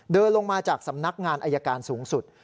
เดินลงมาจากสำนักงานอายการสูงสุด